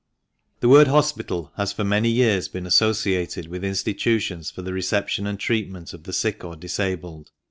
— The word hospital has for many years been associated with institutions for the reception and treatment of the sick or disabled.